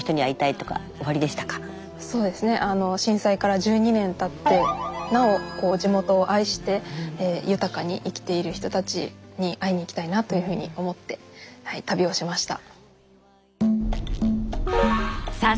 そうですねあの震災から１２年たってなお地元を愛して豊かに生きている人たちに会いに行きたいなというふうに思ってはい旅をしました。